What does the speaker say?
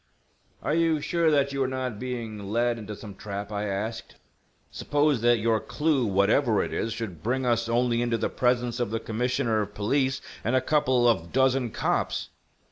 "Are you sure that you are not being led into some trap?" I asked. "Suppose that your clue, whatever it is, should bring us only into the presence of the Commissioner of Police and a couple of dozen cops!"